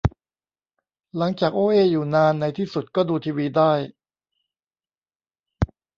หลังจากโอ้เอ้อยู่นาน ในที่สุดก็ดูทีวีได้